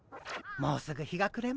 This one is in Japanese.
もうすぐ日がくれます。